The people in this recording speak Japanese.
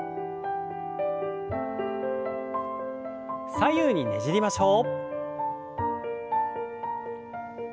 左右にねじりましょう。